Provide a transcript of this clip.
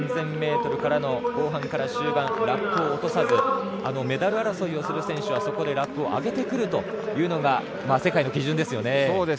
３０００ｍからの後半から終盤ラップを落とさずメダル争いをする選手はそこでラップをあげてくるというのが世界の基準ですよね。